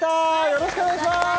よろしくお願いします